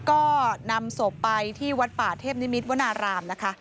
ก็นำศพไปที่วัดป่าเทพนิมิตรวนารามนะคะ